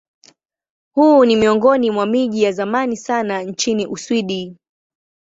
Huu ni miongoni mwa miji ya zamani sana nchini Uswidi.